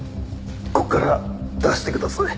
ここから出してください。